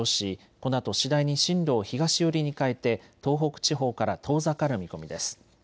このあと次第に進路を東寄りに変えて東北地方から遠ざかる見込みです。